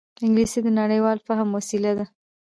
انګلیسي د نړيوال فهم وسیله ده